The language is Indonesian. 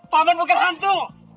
paman bukan hantu